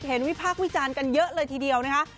วิพากษ์วิจารณ์กันเยอะเลยทีเดียวนะคะ